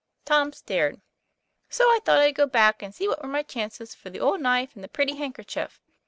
Tom stared. " So I thought I'd go back, and see what were my chances for the old knife and the pretty handker chief.